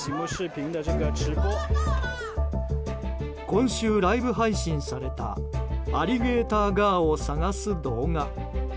今週、ライブ配信されたアリゲーターガーを探す動画。